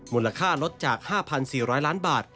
มูลค่าลดจาก๕๔๐๐ล้านบาท